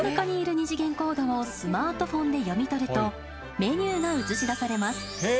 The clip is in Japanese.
２次元コードをスマートフォンで読み取ると、メニューが映し出されます。